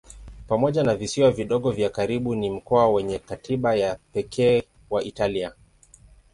Pamoja na visiwa vidogo vya karibu ni mkoa wenye katiba ya pekee wa Italia.